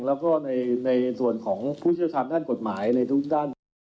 แล้วก็ในส่วนของผู้เชี่ยวชาญด้านกฎหมายในทุกด้าน